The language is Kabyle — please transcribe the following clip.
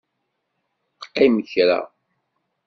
Qqim kra.